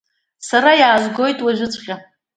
Сара иаазгоит уажәыҵәҟьа!